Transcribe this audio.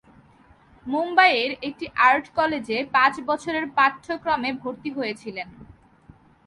মুম্বইয়ের একটি আর্ট কলেজে পাঁচ বছরের পাঠ্যক্রমে ভর্তি হয়েছিলেন।